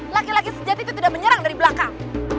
laki laki sejati itu tidak menyerang dari belakang